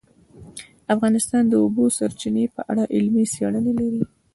افغانستان د د اوبو سرچینې په اړه علمي څېړنې لري.